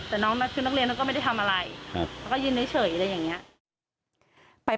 แต่น้องคือนักเรียนก็ไม่ได้ทำอะไรแล้วก็ยืนเฉยอะไรอย่างนี้